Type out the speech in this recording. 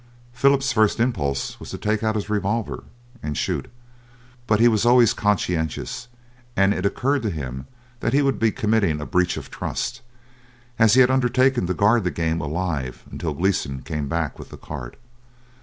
Philip's first impulse was to take out his revolver, and shoot; but he was always conscientious, and it occurred to him that he would be committing a breach of trust, as he had undertaken to guard the game alive until Gleeson came back with the cart.